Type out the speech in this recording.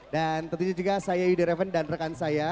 dan tentunya juga saya yudi raven dan rekan saya